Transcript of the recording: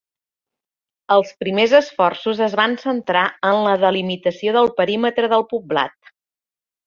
Els primers esforços es van centrar en la delimitació del perímetre del poblat.